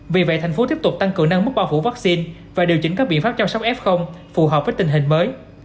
vì vậy thành phố tiếp tục tăng cường nâng mức bao phủ vaccine và điều chỉnh các biện pháp chăm sóc f phù hợp với tình hình mới